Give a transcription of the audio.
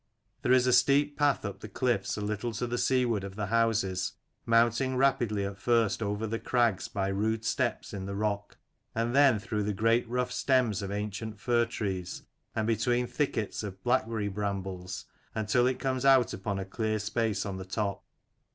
There is a steep path up the cliffs a little to the seaward of the houses, mounting rapidly at first over the crags by rude steps in the rock, and then through the great rough stems of ancient fir trees, and between thickets of blackberry brambles, until it comes out upon a clear space on the top.